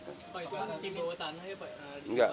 pak itu tinggal di bawah tanah ya pak